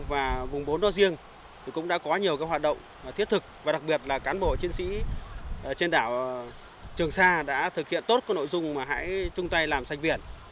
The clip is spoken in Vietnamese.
và vùng bốn nói riêng cũng đã có nhiều hoạt động thiết thực và đặc biệt là cán bộ chiến sĩ trên đảo trường sa đã thực hiện tốt nội dung mà hãy chung tay làm sạch biển